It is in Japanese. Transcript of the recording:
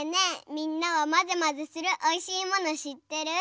みんなはまぜまぜするおいしいものしってる？